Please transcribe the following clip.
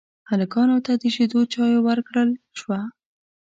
هلکانو ته د شيدو چايو ورکړل شوه.